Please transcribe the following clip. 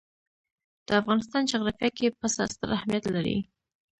د افغانستان جغرافیه کې پسه ستر اهمیت لري.